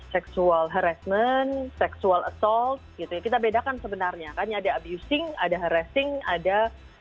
seksual harassment seksual assault kita bedakan sebenarnya kan ada abusing ada harassing ada